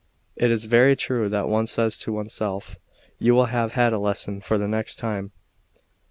It is very true that one says to oneself: "You will have had a lesson for next time."